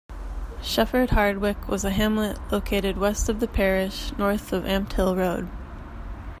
Shefford Hardwick was a hamlet located west of the parish, north of Ampthill Road.